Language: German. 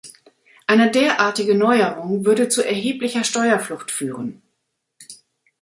Eine derartige Neuerung würde zu erheblicher Steuerflucht führen.